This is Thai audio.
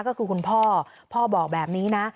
ก็คือคุณพ่อพ่อบอกแบบนี้นะ